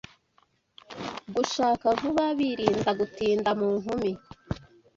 gushakavuba birinda gutinda munkumi